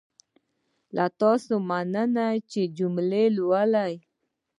له تاسې مننه چې جملې لولئ.